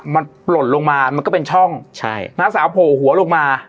มันปล่นลงมามันก็เป็นช่องใช่น้าสาวโผล่หัวลงมา